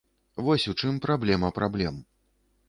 Вось у чым праблема праблем.